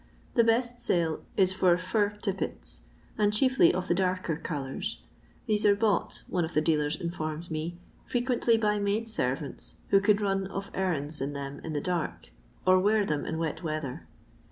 The best sale is for Fur Tippets, and chiefly of the darker colours. These are bought, one of the dealers informed me, frequently by maid servants, who could run of errands in them in the dark, or wear them in wet weather.